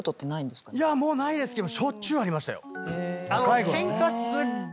いやもうないですけど。